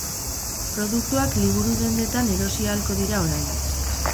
Produktuak liburu dendetan erosi ahalko dira orain.